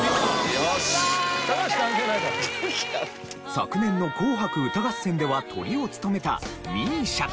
昨年の『紅白歌合戦』ではトリを務めたＭＩＳＩＡ。